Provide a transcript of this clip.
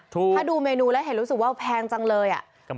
ถ้าดูเมนูแล้วเห็นรู้สึกว่าแพงจังเลยอ่ะ